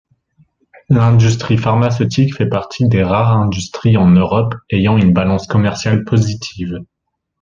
L’industrie pharmaceutique fait partie des rares industries en Europe ayant une balance commerciale positive.